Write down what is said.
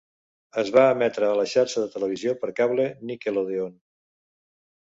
Es va emetre a la xarxa de televisió per cable Nickelodeon.